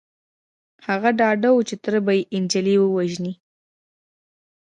هغه ډاډه و چې تره به يې نجلۍ ووژني.